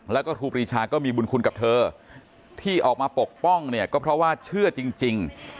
แล้วก็ครูปรีชาก็มีบุญคุณกับเธอที่ออกมาปกป้องเนี่ยก็เพราะว่าเชื่อจริง